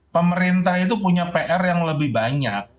pemerintah itu punya pr yang lebih banyak